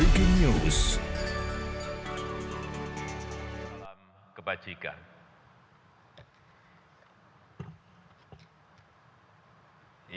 cnn indonesia breaking news